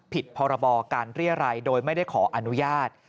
พรบการเรียรัยโดยไม่ได้ขออนุญาต